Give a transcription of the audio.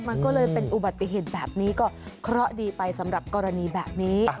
มันก็เลยเป็นอุบัติเหตุแบบนี้ก็เคราะห์ดีไปสำหรับกรณีแบบนี้